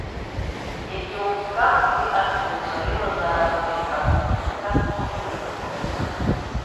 Егьа умҳәан уи арҵаҩцәа реилазаара деиҳабуп, аҭакԥхықәрагьы еиҳа имами?